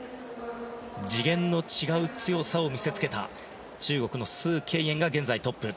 次元の違う強さを見せつけた中国のスウ・ケイエンが現在トップ。